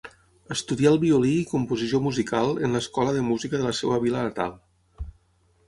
Estudià el violí i composició musical en l'Escola de Música de la seva vila natal.